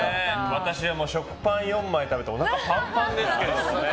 私は食パン４枚食べておなかパンパンですけどね。